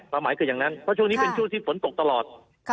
เพราะช่วงนี้เป็นช่วงที่ฝนตกตลอด